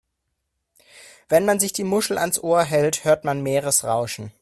Wenn man sich die Muschel ans Ohr hält, hört man Meeresrauschen.